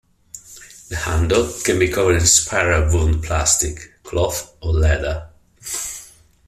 The handle can be covered in spiral wound plastic, cloth or leather.